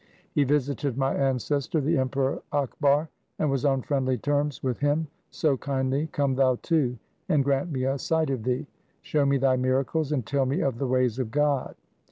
He visited my ancestor the Emperor Akbar and was on friendly terms with him, so kindly come thou too and grant me a sight of thee. Show me thy miracles and tell me of the ways of God.'